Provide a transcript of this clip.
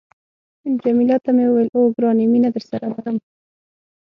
جميله ته مې وویل، اوه، ګرانې مینه درسره لرم.